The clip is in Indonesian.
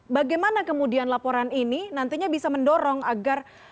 bagaimana kemudian laporan ini nantinya bisa mendorong agar